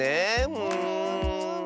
うん。